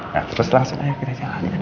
nah terus langsung ayo kita jalankan